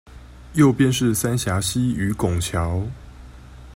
右邊是三峽溪與拱橋